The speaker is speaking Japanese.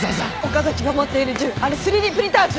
岡崎が持っている銃あれ３Ｄプリンター銃？